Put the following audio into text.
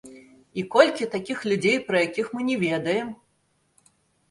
І колькі такіх людзей, пра якіх мы не ведаем?